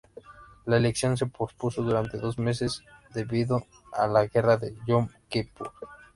La elección se pospuso durante dos meses debido a la guerra de Yom Kippur.